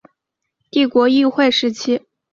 帝国议会时期。